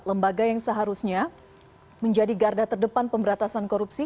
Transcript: lembaga yang seharusnya menjadi garda terdepan pemberantasan korupsi